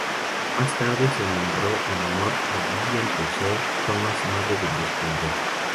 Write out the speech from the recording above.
Más tarde se nombró en honor de Vivian Russell Thomas, madre del descubridor.